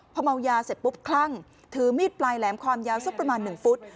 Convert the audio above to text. พอเมายาเสร็จปุ๊บคลั่งถือมีดปลายแหลมความยาวสักประมาณ๑ฟุต